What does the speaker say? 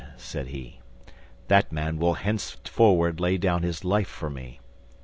said he, "that man would henceforward lay down his life for me."